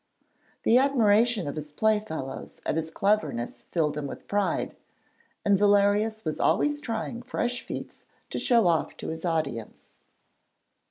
The admiration of his playfellows at his cleverness filled him with pride, and Valerius was always trying fresh feats to show off to his audience.